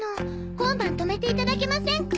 今晩泊めていただけませんか？